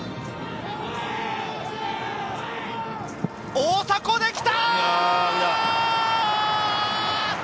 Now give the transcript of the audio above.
大迫できた！